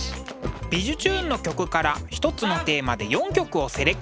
「びじゅチューン！」の曲から一つのテーマで４曲をセレクト。